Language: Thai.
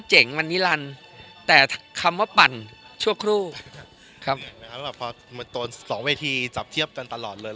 เหนื่อยไหมครับเพราะสองวิธีจับเทียบกันตลอดเลย